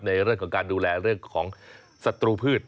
ในเรื่องของการดูแลเรื่องของศัตรูพืช